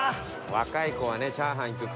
若い子はねチャーハンいくか。